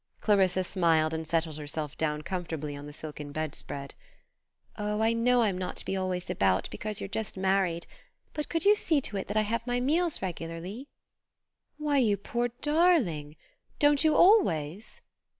Clarissa smiled and settled herself down comfortably on the silken bedspread. "Oh, I know I'm not to be always about, because you're just married; but could you see to it that I have my meals regularly?" "Why, you poor darling! Don't you always?"